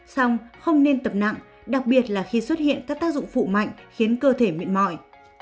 xong không nên tập nặng đặc biệt là khi xuất hiện các tác dụng phụ mạnh khiến cơ thể mệt mỏi